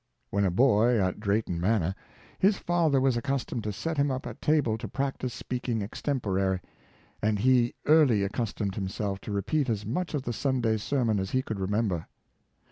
When a boy at Drayton Manor, his father was accustomed to set him up at table to practice speaking extempore, and he early accustomed him to repeat as much of the Sun day's sermon as he could remember.